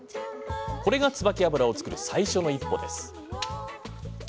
これが、ツバキ油を作る最初の一歩なんです。